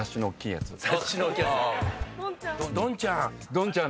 どんちゃん。